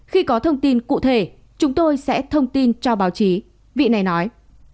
khi có thông tin cụ thể chúng tôi sẽ thông tin cho báo chí vị này nói